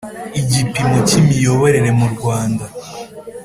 Igipimo cy imiyoborere mu Rwanda